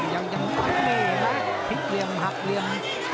ยังมีนะพิกเรียมหักเรียม